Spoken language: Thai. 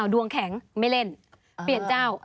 ดวงแข็งไม่เล่นเปลี่ยนเจ้า